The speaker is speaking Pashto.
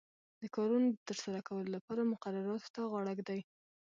د کارونو د ترسره کولو لپاره مقرراتو ته غاړه ږدي.